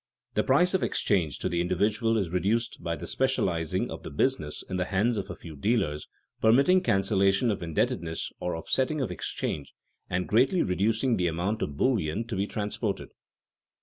The price of exchange to the individual is reduced by the specializing of the business in the hands of a few dealers, permitting cancelation of indebtedness or offsetting of exchange, and greatly reducing the amount of bullion to be transported.